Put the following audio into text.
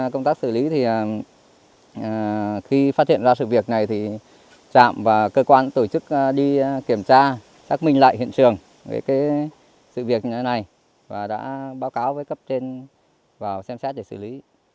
công tác xử lý khi phát hiện ra sự việc này trạm và cơ quan tổ chức đi kiểm tra xác minh lại hiện trường sự việc này và đã báo cáo với cấp trên vào xem xét để xử lý